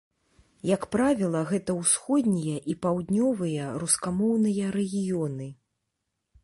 Як правіла, гэта ўсходнія і паўднёвыя рускамоўныя рэгіёны.